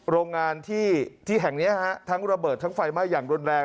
โรงงานที่แห่งนี้ทั้งระเบิดทั้งไฟไหม้อย่างรุนแรง